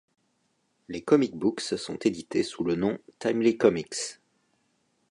Les comic books sont édités sous le nom Timely Comics.